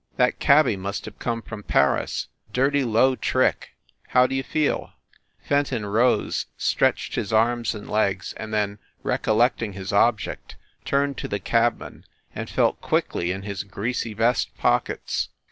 "That cabby must have come from Paris. Dirty low trick. How d you feel?" Fenton rose, stretched his arms and legs, and then, recollecting his object, turned to the cabman and felt quickly in his greasy vest pockets.